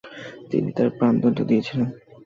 তিনি তার প্রাণদন্ড দিয়েছিলেন।